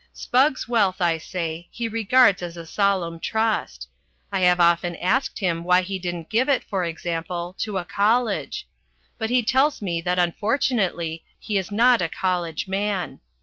Spugg's wealth, I say, he regards as a solemn trust. I have often asked him why he didn't give it, for example, to a college. But he tells me that unfortunately he is not a college man.